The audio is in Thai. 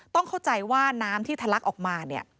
ต้องเข้าใจว่าน้ำที่ถลักออกมา